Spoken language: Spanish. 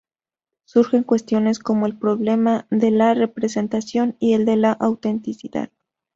Surgen cuestiones como el problema de la representación y el de la autenticidad.